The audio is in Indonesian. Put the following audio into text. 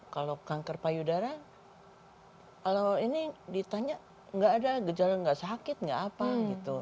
kalau kanker payudara kalau ini ditanya enggak ada gejala enggak sakit enggak apa gitu